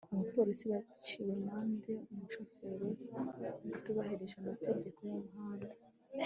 abapolisi baciwe amande umushoferi utubahirije amategeko y'umuhanda